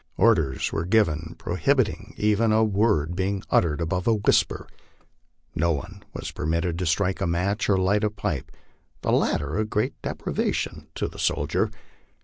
Orders were given prohibiting even a word being uttered above a whisper. No one was permitted to strike a match or light a pipe the latter a great deprivation to the soldier.